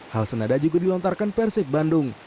hal senada juga dilontarkan persib bandung